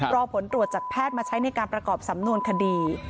รอผลตรวจจากแพทย์มาใช้ในการประกอบสำนวนคดี